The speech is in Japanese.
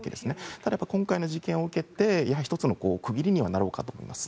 ただ、今回の事件を受けて１つの区切りにはなると思います。